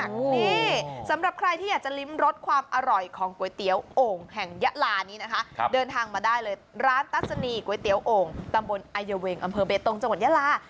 นี่สำหรับใครที่อยากจะลิ้มรสความอร่อยของก๋วยเตี๋ยวโอ่งแห่งยะลานี้นะคะเดินทางมาได้เลยร้านตัศนีก๋วยเตี๋ยวโอ่งตำบลอายเวงอำเภอเบตงจังหวัดยาลา